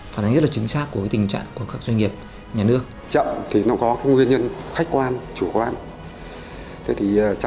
phản ánh rất chính xác của tình trạng của các doanh nghiệp nhà nước